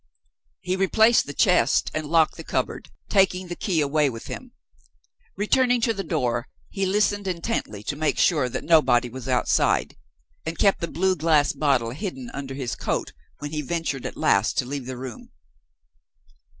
He replaced the chest, and locked the cupboard; taking the key away with him. Returning to the door, he listened intently to make sure that nobody was outside, and kept the blue glass bottle hidden under his coat when he ventured at last to leave the room.